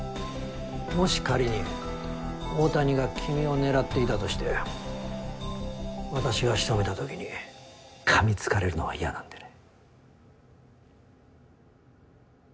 もし仮に大谷が君を狙っていたとして私が仕留めた時に噛みつかれるのは嫌なんでね。